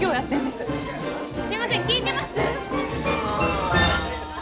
すいません聞いてます？